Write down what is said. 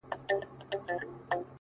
o زموږ څه ژوند واخله؛